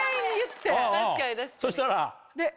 そしたら？